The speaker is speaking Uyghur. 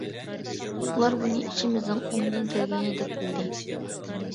ئۇلار بۇنى ئىشىمىزنىڭ ئوڭدىن كەلگىنى دەپ بىلدى.